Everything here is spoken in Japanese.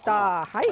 はい。